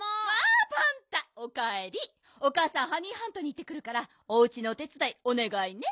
おかあさんハニーハントにいってくるからおうちのお手つだいおねがいね。